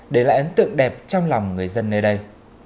để lại ấn tượng đẹp trong lòng người dân nơi đây